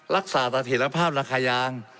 รักษาตัดเหตุภาพราคายาง